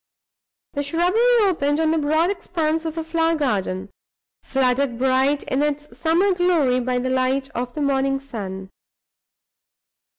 The shrubbery opened on the broad expanse of a flower garden, flooded bright in its summer glory by the light of the morning sun.